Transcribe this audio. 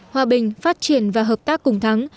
hòa bình phát triển và hợp tác cùng thắng